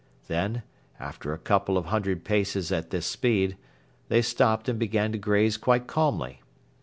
Then, after a couple of hundred paces at this speed, they stopped and began to graze quite calmly.